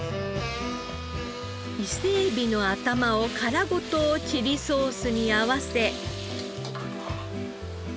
伊勢エビの頭を殻ごとチリソースに合わせ。